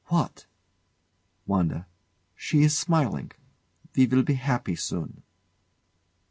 ] What? WANDA. She is smiling! We shall be happy soon.